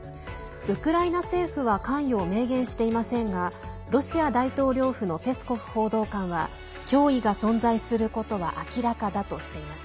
ウクライナ政府は関与を明言していませんがロシア大統領府のペスコフ報道官は脅威が存在することは明らかだとしています。